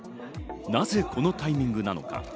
なぜこのタイミングなのか。